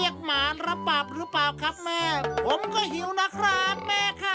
อย่างนี้ก็แปลกดินะครับ